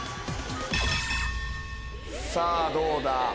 さぁどうだ？